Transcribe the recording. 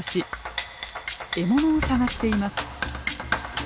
獲物を探しています。